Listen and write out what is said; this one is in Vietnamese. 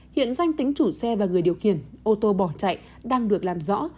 hiện danh tính chủ xe và người điều khiển ô tô bỏ chạy đang được làm rõ